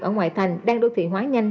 ở ngoại thành đang đô thị hóa nhanh